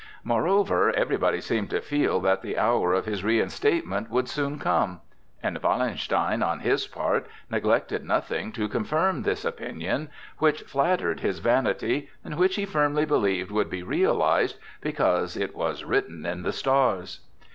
Moreover, everybody seemed to feel that the hour of his reinstatement would soon come. And Wallenstein, on his part, neglected nothing to confirm this opinion, which flattered his vanity, and which he firmly believed would be realized, because "it was written in the stars."